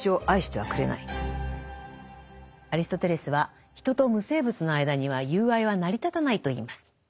アリストテレスは人と無生物の間には友愛は成り立たないと言います。